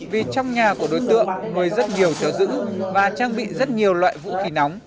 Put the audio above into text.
vì trong nhà của đối tượng nuôi rất nhiều cháu giữ và trang bị rất nhiều loại vũ khí nóng